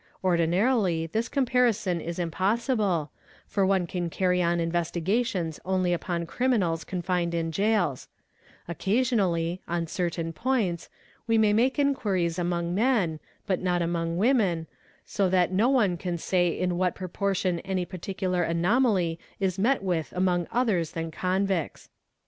Ordinarily this compa rison is impossible, for one can carry on investigations only upon eriminal confined in gaols ; occasionally, on certain points, we may make enquiries among men, but not among women, so that no one can say in what proportion any particular anomaly is met with among others thar convicts.